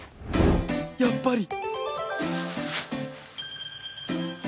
やっぱり！